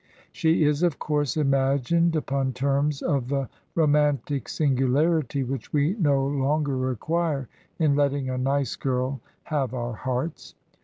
She is of course imagined upon terms of the roman tic singularity which we no longer require in letting a nice girl have our hearts.